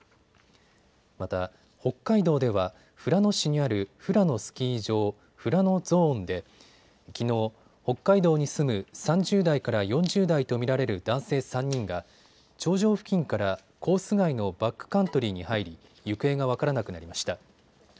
また北海道では富良野市にある富良野スキー場富良野ＺＯＮＥできのう北海道に住む３０代から４０代と見られる男性３人が頂上付近からコース外のバックカントリーに入り行方が分からなくなりました。